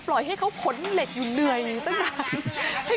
ปล่อยให้เขาขนเหล็กอยู่เหนื่อยอยู่ตั้งนาน